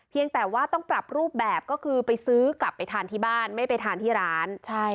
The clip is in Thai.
แต่ว่าต้องปรับรูปแบบก็คือไปซื้อกลับไปทานที่บ้านไม่ไปทานที่ร้าน